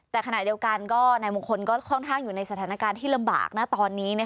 แต่ขณะเดียวกันก็นายมงคลก็ค่อนข้างอยู่ในสถานการณ์ที่ลำบากนะตอนนี้